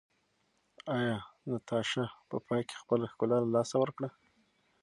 ایا ناتاشا په پای کې خپله ښکلا له لاسه ورکړه؟